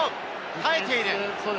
耐えている。